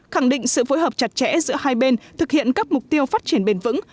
khẳng định sự phối hợp chặt chẽ giữa hai bên thực hiện các mục tiêu phát triển bền vững